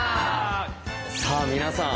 さあ皆さん